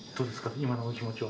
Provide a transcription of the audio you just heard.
今のお気持ちは。